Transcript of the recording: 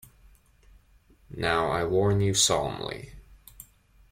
Now, I warn you solemnly.